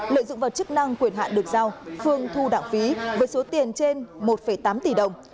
lợi dụng vào chức năng quyền hạn được giao phương thu đảng phí với số tiền trên một tám tỷ đồng